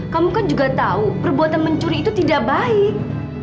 kamu kan juga tahu perbuatan mencuri itu tidak baik